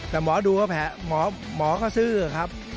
แต่หมอดูก็แผลหมอก็ซื่อครับ